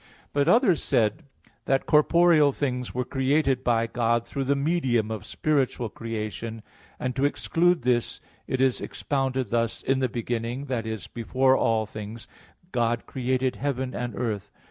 But others said that corporeal things were created by God through the medium of spiritual creation; and to exclude this it is expounded thus: "In the beginning" i.e. before all things "God created heaven and earth."